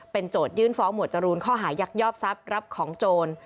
โจทยื่นฟ้องหมวดจรูนข้อหายักยอกทรัพย์รับของโจร